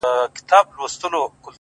څه ته مي زړه نه غواړي”